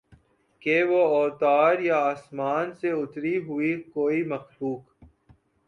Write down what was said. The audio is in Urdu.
کہ وہ اوتار یا آسمان سے اتری ہوئی کوئی مخلوق